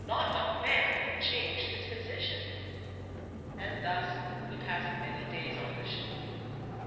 Not a man had changed his position. And thus we passed many days on the ship.